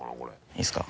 いいですか。